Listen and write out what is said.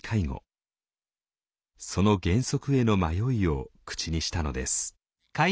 その原則への迷いを口にしたのです。